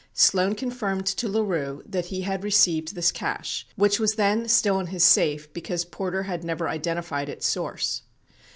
Sloan confirmed to LaRue that he had received this cash, which was then still in his safe because Porter had never identified its source.